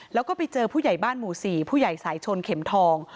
แล้วก็ไปเจอผู้ใหญ่บ้านหมู่๔ผู้ใหญ่สายชนเข็มทอง